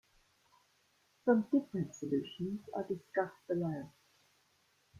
Some different solutions are discussed below.